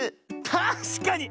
たしかに！